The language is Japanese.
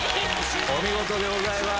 お見事でございます！